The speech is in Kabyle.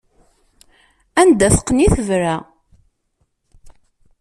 Anda teqqen i tebra.